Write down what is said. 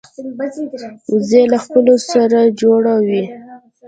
وزې له خپلو سره جوړه وي